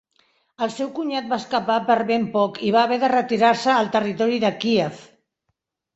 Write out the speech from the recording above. El seu cunyat va escapar per ben poc i va haver de retirar-se al territori de Kíev.